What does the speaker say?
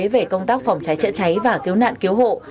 về công tác phòng cháy chữa cháy và cứu nạn cứu hộ